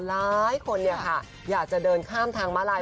หลายคนอยากจะเดินข้ามทางมาลาย